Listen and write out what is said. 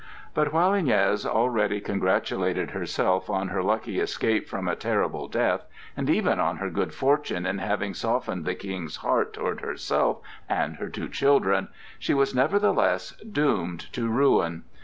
But while Iñez already congratulated herself on her lucky escape from a terrible death, and even on her good fortune in having softened the King's heart toward herself and her two children, she was nevertheless doomed to ruin.